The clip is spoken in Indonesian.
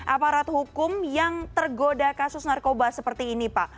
aparat hukum yang tergoda kasus narkoba seperti ini pak